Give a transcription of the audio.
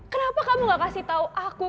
kenapa kamu gak kasih tahu aku